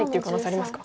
ありますか。